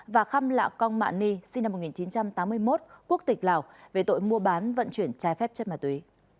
và khăm lạ cong mạ ni sinh năm một nghìn chín trăm tám mươi một quốc tịch lào về tội mua bán vận chuyển trái phép chất ma túy